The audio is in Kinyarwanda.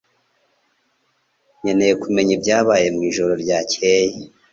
Nkeneye kumenya ibyabaye mwijoro ryakeye